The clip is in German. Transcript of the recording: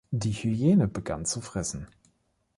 Die Hyäne begann zu fressen.